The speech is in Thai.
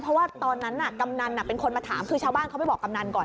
เพราะว่าตอนนั้นกำนันเป็นคนมาถามคือชาวบ้านเขาไปบอกกำนันก่อน